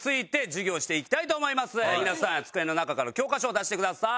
皆さん机の中から教科書を出してください。